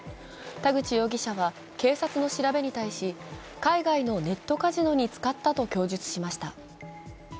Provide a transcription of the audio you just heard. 田口容疑者は警察の調べに対し、海外のネットカジノに使ったと供述しました。